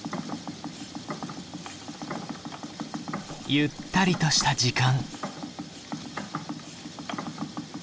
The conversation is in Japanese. ゆったりとした時間。